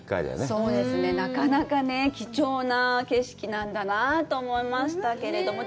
そうですね、なかなかね、貴重な景色なんだなと思いましたけれども。